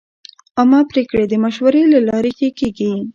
عامه پریکړې د مشورې له لارې ښه کېږي.